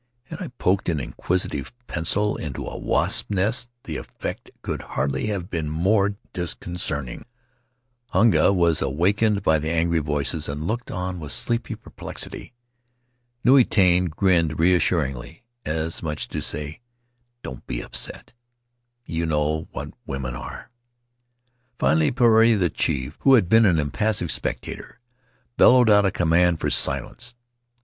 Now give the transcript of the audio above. Had I poked an inquisitive pencil into a wasps' nest the effect could hardly have been more dis concerting. Hunga was awakened by the angry voices and looked on with sleepy perplexity. Nui Tane grinned reassuringly, as much as to say: "Don't be upset. You know what women are." Finally, Puarei, the chief, who had been an impassive spectator, bel lowed out a command for silence.